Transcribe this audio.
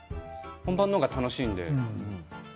本番の方が楽しいので。